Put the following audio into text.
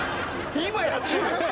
今やってる！？